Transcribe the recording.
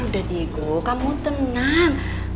udah diego kamu tenang